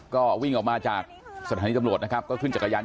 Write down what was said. ก็วิ่งออกมาจากสถานีตำรวจนะครับก็ขึ้นจักรยาน